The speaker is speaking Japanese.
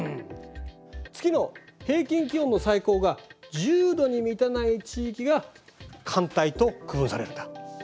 月の平均気温の最高が１０度に満たない地域が寒帯と区分されるんだ。